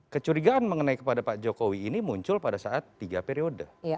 kecurigaan mengenai kepada pak jokowi ini muncul pada saat tiga periode